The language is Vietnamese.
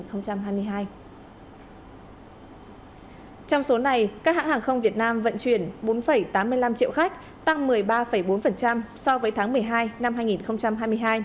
trong số này các hãng hàng không việt nam vận chuyển bốn tám mươi năm triệu khách tăng một mươi ba bốn so với tháng một mươi hai năm hai nghìn hai mươi hai